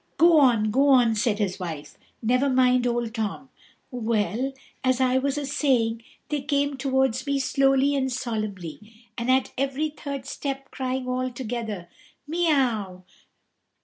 "Go on, go on," said his wife; "never mind Old Tom." "Well, as I was a saying, they came towards me slowly and solemnly, and at every third step crying all together, _Miaou!